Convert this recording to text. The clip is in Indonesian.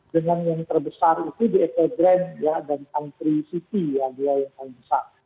dengan yang terbesar itu di etrang dan country city ya dia yang paling besar